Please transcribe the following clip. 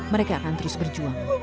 mereka akan terus berjuang